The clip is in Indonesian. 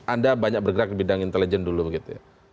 anda banyak bergerak di bidang intelijen dulu begitu ya